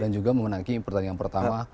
dan juga memenangi pertandingan pertama